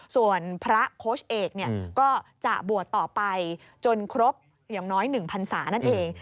ส่วนพระโค้ชเอกก็จะบวชต่อไปจนครบอย่างน้อย๑พันศานั่นเอง